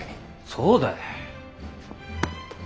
そうだい。